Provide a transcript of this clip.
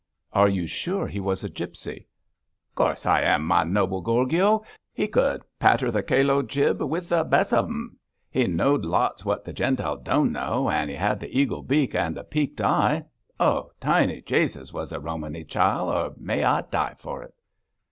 'Are you sure he was a gipsy?' 'Course I am, my noble Gorgio! He could patter the calo jib with the best of 'um. He know'd lots wot the Gentiles don' know, an' he had the eagle beak an' the peaked eye. Oh, tiny Jesus was a Romany chal, or may I die for it!'